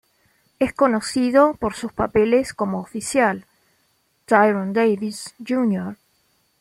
Es conocido por sus papeles como oficial, Tyrone Davis, Jr.